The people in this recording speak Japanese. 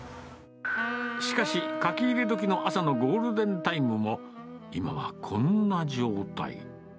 しかし、書き入れ時の朝のゴールデンタイムも、今はこんな状態。